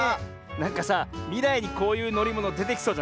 なんかさみらいにこういうのりものでてきそうじゃない？